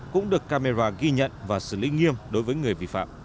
cũng được camera ghi nhận và xử lý nghiêm đối với người vi phạm